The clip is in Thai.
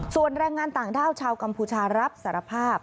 ส่วนแรงงานต่างด้าวชาวกัมพูชารับสารภาพ